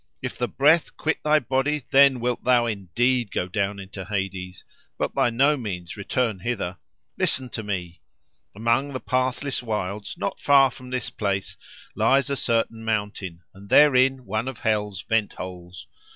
If the breath quit thy body, then wilt thou indeed go down into Hades, but by no means return hither. Listen to me. Among the pathless wilds not far from this place lies a certain mountain, and therein one of hell's vent holes.